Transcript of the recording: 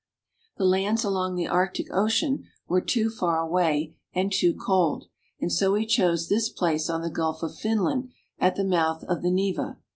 The lands along the Arctic Ocean were too far away and too cold, and so he chose this place on the Gulf of Finland, at the mouth of the Neva.